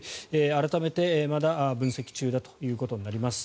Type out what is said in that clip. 改めてまだ分析中だということになります。